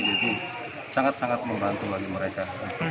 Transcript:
jadi sangat sangat membantu bagi mereka